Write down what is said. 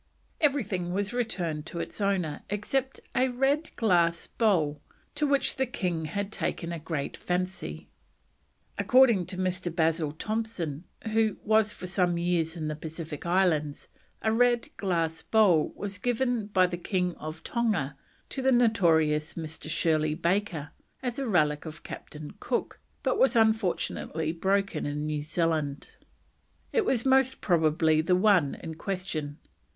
Everything was returned to its owner, excepting a red glass bowl to which the king had taken a great fancy. According to Mr. Basil Thomson, who was for some years in the Pacific Islands, a red glass bowl was given by the King of Tonga to the notorious Mr. Shirley Baker, as a relic of Captain Cook, but was unfortunately broken in New Zealand. It was most probably the one in question.